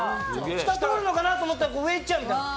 下通るのかなと思ったら上行っちゃううみたいな。